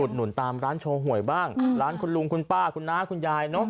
หนุนตามร้านโชว์หวยบ้างร้านคุณลุงคุณป้าคุณน้าคุณยายเนอะ